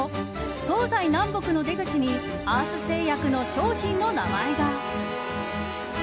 東西南北の出口にアース製薬の商品の名前が。